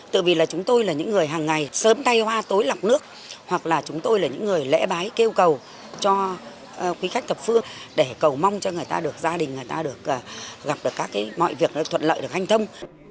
tại vì là chúng tôi là những người hàng ngày sớm tay hoa tối lọc nước hoặc là chúng tôi là những người lẽ bái kêu cầu cho quý khách thập phương để cầu mong cho người ta được gia đình người ta được gặp được các mọi việc nó thuận lợi được hành thông